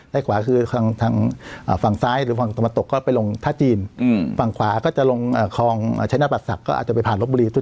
ขวาคือทางฝั่งซ้ายหรือฝั่งตะวันตกก็ไปลงท่าจีนฝั่งขวาก็จะลงคลองชัยนบัตรศักดิ์ก็อาจจะไปผ่านลบบุรี